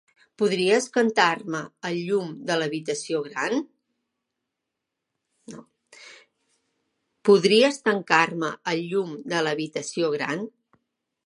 Podries tancar-me el llum de l'habitació gran?